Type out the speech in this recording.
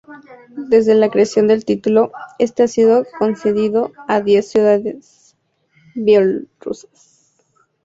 Desde la creación del título, este ha sido concedido a diez ciudadanos bielorrusos.